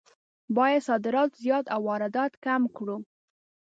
باید صادرات زیات او واردات کم کړو.